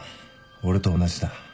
俺と同じだ